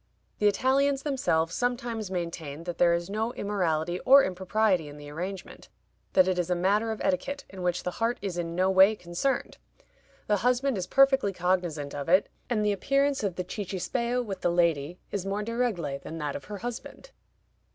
The Italians themselves sometimes maintain that there is no immorality or impropriety in the arrangement that it is a matter of etiquette, in which the heart is in no way concerned. The husband is perfectly cognizant of it, and the appearance of the cicisbeo with the lady is more de regle than that of her husband.